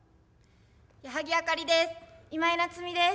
矢作あかりです。